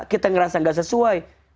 kita merasa tidak sesuai